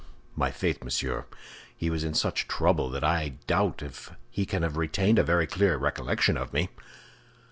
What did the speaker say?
"My faith, monsieur, he was in such trouble that I doubt if he can have retained a very clear recollection of me."